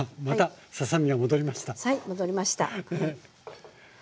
はい戻りました。